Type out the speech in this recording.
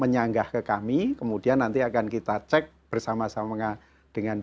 menyanggah ke kami kemudian nanti akan kita cek bersama sama dengan